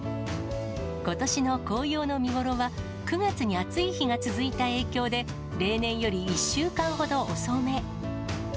ことしの紅葉の見ごろは、９月に暑い日が続いた影響で、例年より１週間ほど遅め。